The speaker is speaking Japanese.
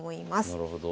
なるほど。